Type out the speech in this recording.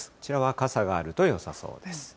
こちらは傘があるとよさそうです。